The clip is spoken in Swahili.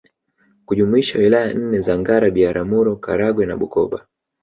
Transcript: kujumuisha Wilaya nne za Ngara Biharamuro Karagwe na Bukoba